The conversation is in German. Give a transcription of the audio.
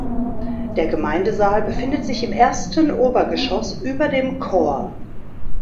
Der Gemeindesaal befindet sich im ersten Obergeschoss über dem Chor.